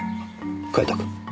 カイトくん。